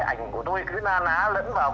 ảnh của tôi cứ ná ná lẫn vào